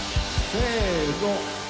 せの。